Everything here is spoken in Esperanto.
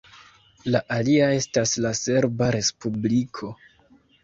La alia estas la Serba Respubliko.